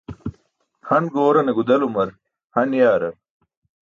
Han goorane gudelumar han yaarar.